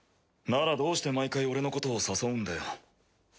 ならどうして毎回俺のことを誘うんだよ？